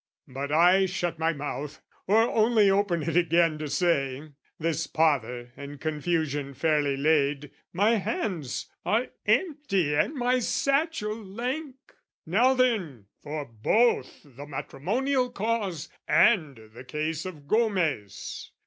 but I shut my mouth "Or only open it again to say, "This pother and confusion fairly laid, "My hands are empty and my satchel lank. "Now then for both the Matrimonial Cause "And the case of Gomez!